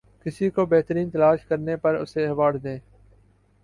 کسی کو بہترین تلاش کرنے پر اسے ایوارڈ دیں